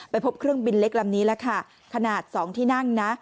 พบเครื่องบินเล็กลำนี้แหละค่ะขนาด๒ที่นั่งนะ